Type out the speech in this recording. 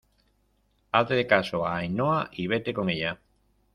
hazle caso a Ainhoa y vete con ella